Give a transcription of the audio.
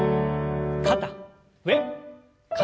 肩上肩下。